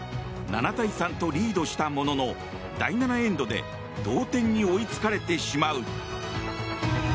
７対３とリードしたものの第７エンドで同点に追いつかれてしまう。